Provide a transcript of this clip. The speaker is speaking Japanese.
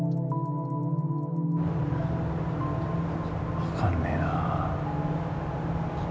分かんねえなぁ。